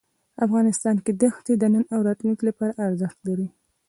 افغانستان کې دښتې د نن او راتلونکي لپاره ارزښت لري.